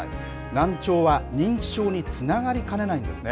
難聴は認知症につながりかねないんですね。